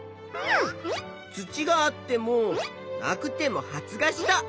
土があってもなくても発芽した。